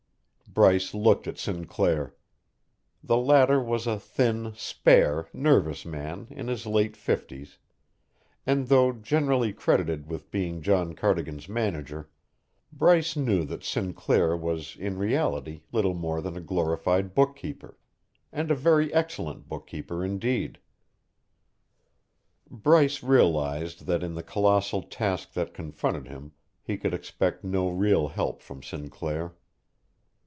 Bryce looked at Sinclair. The latter was a thin, spare, nervous man in the late fifties, and though generally credited with being John Cardigan's manager, Bryce knew that Sinclair was in reality little more than a glorified bookkeeper and a very excellent bookkeeper indeed. Bryce realized that in the colossal task that confronted him he could expect no real help from Sinclair.